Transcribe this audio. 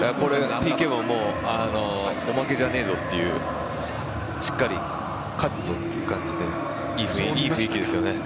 ＰＫはオマケじゃないぞというしっかり勝つぞという感じでいい雰囲気ですよね。